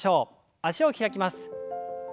脚を開きます。